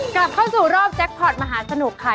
กลับเข้าสู่รอบแจ็คพอร์ตมหาสนุกค่ะ